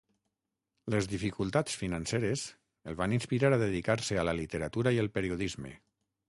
Les dificultats financeres el van inspirar a dedicar-se a la literatura i el periodisme.